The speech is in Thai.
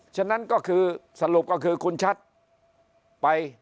ฉะนั้นสรุปก็คือคุณชัตริ์ไป